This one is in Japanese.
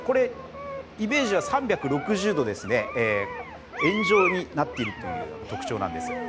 イメージは３６０度、円状になっているというのが特徴なんです。